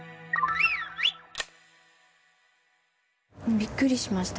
びっくりしました。